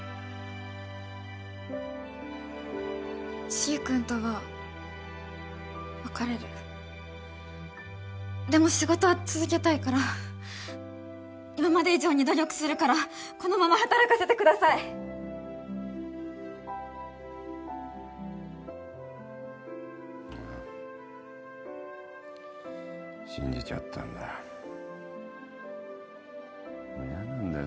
しげ君とは別れるでも仕事は続けたいから今まで以上に努力するからこのまま働かせてくださいああ信じちゃったんだ嫌なんだよ